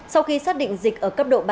sau khi xác định dịch ở cấp độ ba